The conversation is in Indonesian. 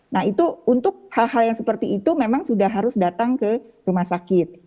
nah itu untuk hal hal yang seperti itu memang sudah harus datang ke rumah sakit